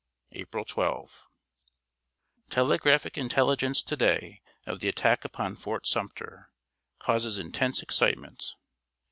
] April 12. Telegraphic intelligence to day of the attack upon Fort Sumter causes intense excitement.